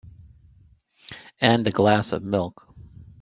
And a glass of milk.